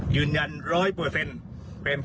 ยืนยันร้อยเปอร์เซ็นต์